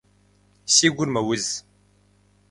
Си гур мэуз.